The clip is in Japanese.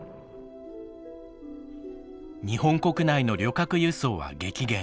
日本国内の旅客輸送は激減。